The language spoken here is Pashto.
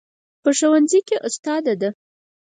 په ښوونځي کې استاد ده